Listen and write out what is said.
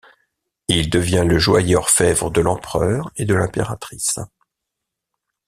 Il devient le joaillier-orfèvre de l'Empereur et de l'Impératrice.